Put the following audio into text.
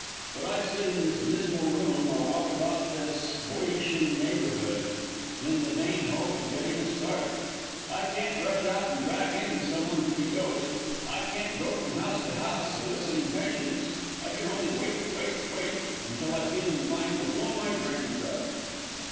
But I sit in this dismal room, or walk about this B[oe]otian neighbourhood, in the vain hope of getting a start. I can't rush out and drag in someone to be dosed; I can't go from house to house soliciting patients. I can only wait wait, wait; until I feel inclined to blow my brains out."